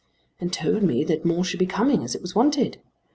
"And told me that more should be coming as it was wanted.